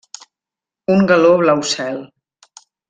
Un galó blau cel.